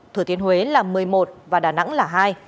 thừa thiên huế là một mươi một và đà nẵng là hai